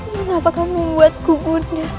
mengapa kamu membuatku bunda